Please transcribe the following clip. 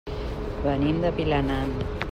Venim de Vilanant.